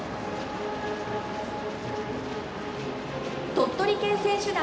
鳥取県選手団。